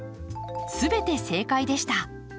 全て正解でした。